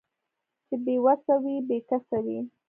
چې بې وسه وي بې کسه وي